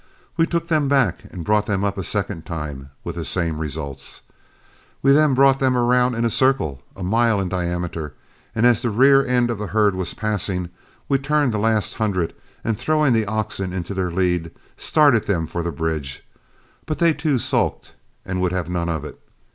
We took them back and brought them up a second time with the same results. We then brought them around in a circle a mile in diameter, and as the rear end of the herd was passing, we turned the last hundred, and throwing the oxen into their lead, started them for the bridge; but they too sulked and would have none of it.